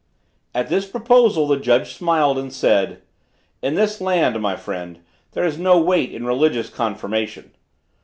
At this proposal the judge smiled and said: "In this land, my friend, there is no weight in religious confirmation.